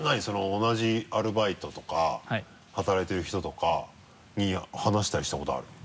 同じアルバイトとか働いてる人とかに話したりしたことあるの？